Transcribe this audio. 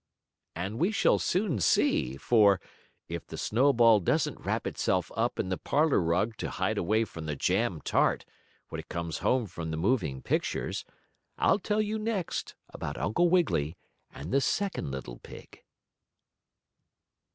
And we shall soon see for, if the snowball doesn't wrap itself up in the parlor rug to hide away from the jam tart, when it comes home from the moving pictures, I'll tell you next about Uncle Wiggily and the second little pig.